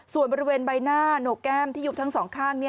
ส่วนบริเวณใบหน้าโหนกแก้มที่ยุบทั้งสองข้าง